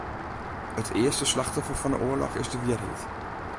It earste slachtoffer fan 'e oarloch is de wierheid.